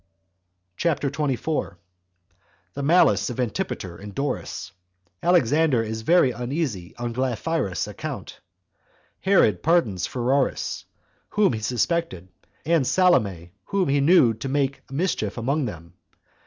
CHAPTER 24. The Malice Of Antipater And Doris. Alexander Is Very Uneasy On Glaphyras Account. Herod Pardons Pheroras, Whom He Suspected, And Salome Whom He Knew To Make Mischief Among Them.